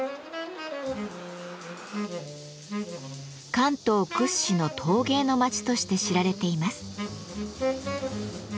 関東屈指の陶芸の町として知られています。